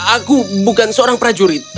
aku bukan seorang prajurit